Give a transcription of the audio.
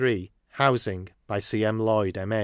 Housing. By C. M. Lloyd, M.